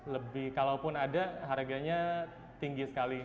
lebih kalaupun ada harganya tinggi sekali